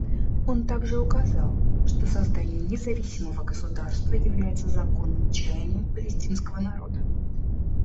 Он также указал, что создание независимого государства является законным чаянием палестинского народа.